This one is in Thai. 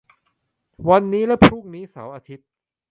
วันนี้และพรุ่งนี้ เสาร์-อาทิตย์